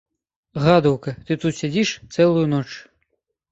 Гадаўка, ты тут сядзіш цэлую ноч.